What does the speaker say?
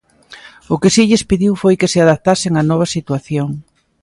O que si lles pediu foi que se "adaptasen á nova situación".